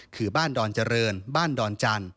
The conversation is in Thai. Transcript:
คือบ้านดอนเจริญบ้านดอนจันทร์